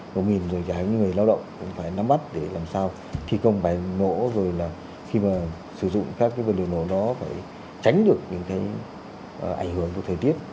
một mình rồi chẳng những người lao động cũng phải nắm bắt để làm sao thi công bài nổ rồi là khi mà sử dụng các cái vật liệu nổ đó phải tránh được những cái ảnh hưởng của thời tiết